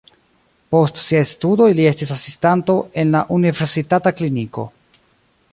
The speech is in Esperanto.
Post siaj studoj li estis asistanto en la universitata kliniko.